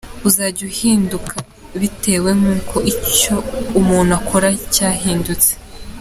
Uzajya uhinduka bitewe n’uko icyo umuntu akora cyahindutse”.